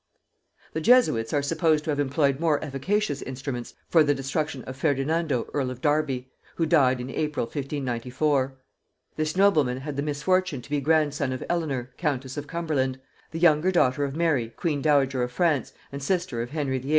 The Jesuits are supposed to have employed more efficacious instruments for the destruction of Ferdinando earl of Derby, who died in April 1594. This nobleman had the misfortune to be grandson of Eleanor countess of Cumberland, the younger daughter of Mary queen dowager of France and sister of Henry VIII.